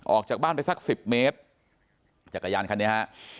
ออกจากบ้านไปสักสิบเมตรจักรยานคันนี้ฮะ